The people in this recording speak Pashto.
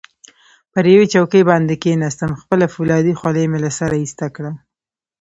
پر یوې چوکۍ باندې کښېناستم، خپله فولادي خولۍ مې له سره ایسته کړه.